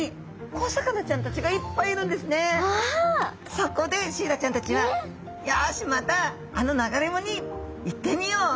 そこでシイラちゃんたちは「よしまたあの流れ藻に行ってみよう。